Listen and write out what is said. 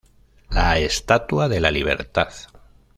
La Estatua de la Libertad.